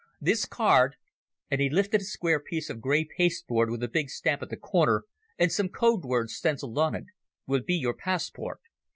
This card," and he lifted a square piece of grey pasteboard with a big stamp at the corner and some code words stencilled on it, "will be your passport.